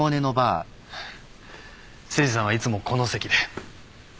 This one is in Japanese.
誠司さんはいつもこの席で。